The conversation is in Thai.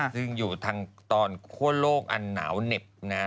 ซึ่งอยู่ทางตอนคั่วโลกอันหนาวเหน็บนะ